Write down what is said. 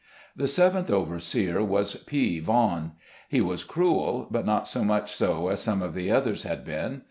The seventh overseer was P Vaughn. He was cruel, but not so much so as some of the others had been.